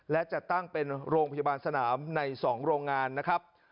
และจะตั้งเป็นโรงพยาบาลสนามใน๒โรงงานนะครับ